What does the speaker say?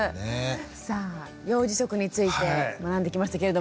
さあ幼児食について学んできましたけれども。